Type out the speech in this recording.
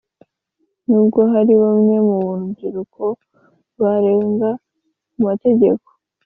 Nubwo hari bamwe mu rubyiruko barenga ku mategeko